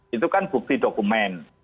itu kan bukti dokumen